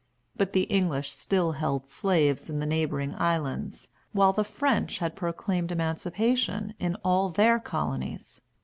But the English still held slaves in the neighboring islands, while the French had proclaimed emancipation in all their colonies.